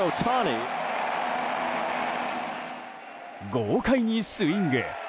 豪快にスイング。